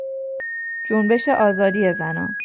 جنبش آزادی زنان